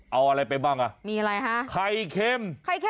เอาอะไรไปบ้างอ่ะไข่เค็มไข่เค็ม